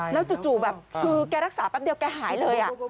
แล้วจู่แบบคือแกรักษาแป๊บเดียวแกหายเลย